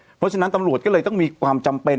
เพราะฉะนั้นตำรวจก็เลยต้องมีความจำเป็น